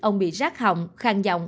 ông bị rác hỏng khang giác